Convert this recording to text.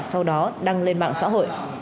sau đó đăng lên mạng xã hội